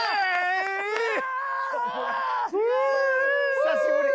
久しぶり。